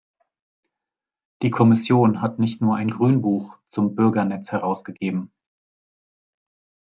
Die Kommission hat nicht nur ein Grünbuch zum Bürgernetz herausgegeben.